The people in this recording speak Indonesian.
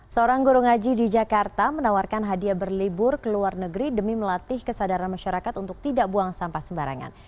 seorang guru ngaji di jakarta menawarkan hadiah berlibur ke luar negeri demi melatih kesadaran masyarakat untuk tidak buang sampah sembarangan